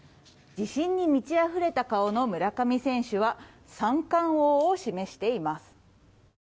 自信に満ちあふれた顔の村上選手は三冠王を示しています。